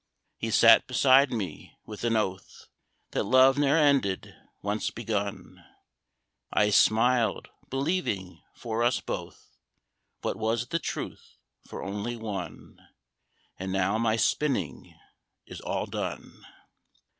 He sat beside me, with an oath That love ne'er ended, once begun; I smiled, believing for us both, What was the truth for only one: And now my spinning is all done.